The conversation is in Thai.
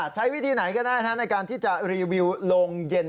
ใช้วิธีไหนก็ได้ในการที่จะรีวิวโรงเย็น